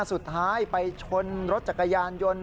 สุดท้ายไปชนรถจักรยานยนต์